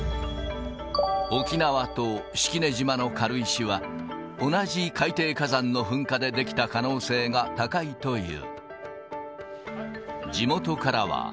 沖縄と式根島の軽石は、同じ海底火山の噴火で出来た可能性が高いという。